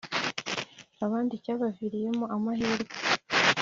abandi cyabaviriyemo amahirwe,